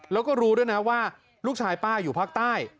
แล้วก็รู้ด้วยนะว่าลูกชายป้าอยู่ภาคใต้